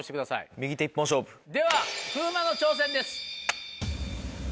右手１本勝負。では風磨の挑戦です。